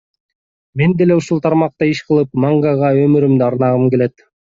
Мен деле ушул тармакта иш кылып, мангага өмүрүмдү арнагым келет.